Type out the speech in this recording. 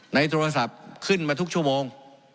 ในโทรศัพท์ขึ้นมาทุกชั่วโมง